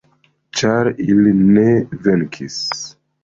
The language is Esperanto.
Ĉar ili ne venkis!